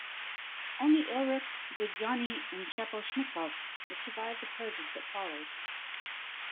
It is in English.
Only Ulrikh, Budyonny and Shaposhnikov would survive the purges that followed.